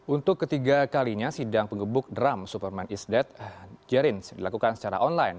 untuk ketiga kalinya sidang pengebuk drum superman is dead jerins dilakukan secara online